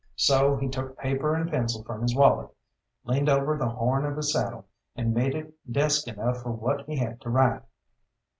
So he took paper and pencil from his wallet, leaned over the horn of his saddle, and made it desk enough for what he had to write.